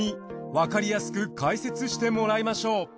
わかりやすく解説してもらいましょう。